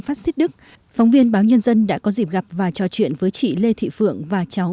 phát xít đức phóng viên báo nhân dân đã có dịp gặp và trò chuyện với chị lê thị phượng và cháu